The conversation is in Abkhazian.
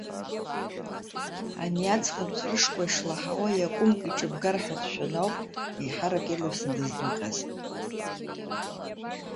Ани аӡӷаб ҵәрышкәа ишлаҳауа иакәымк иҿыбгар ҳәа дшәаны ауп еиҳарак ирласны дыздәылҟьаз.